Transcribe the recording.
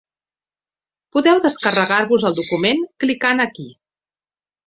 Podeu descarregar-vos el document, clicant aquí.